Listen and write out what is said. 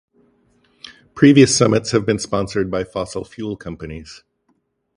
Previous summits have been sponsored by fossil fuel companies.